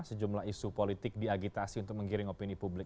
sejumlah isu politik diagitasi untuk menggiring opini publik